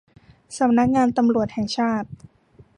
สำนักงานตำรวจแห่งชาติ